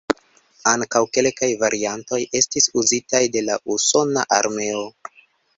Ankaŭ kelkaj variantoj estis uzitaj de la Usona Armeo.